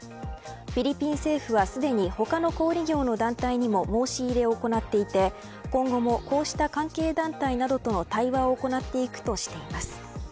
フィリピン政府はすでに他の小売業の団体にも申し入れを行っていて今後もこうした関係団体などとの対話を行っていくとしています。